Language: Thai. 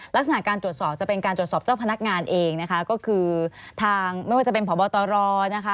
ลักษณะการตรวจสอบจะเป็นการตรวจสอบเจ้าพนักงานเองนะคะก็คือทางไม่ว่าจะเป็นพบตรนะคะ